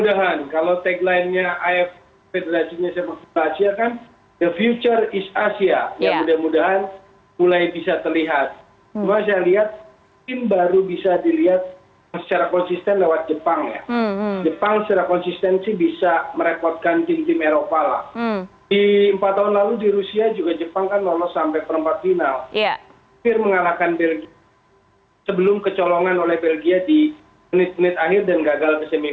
di menit menit akhir dan gagal di semifinal akhirnya